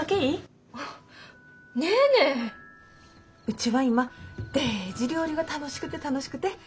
うちは今デージ料理が楽しくて楽しくて。